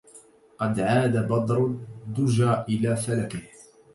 قد عاد بدر الدجى إلى فلكه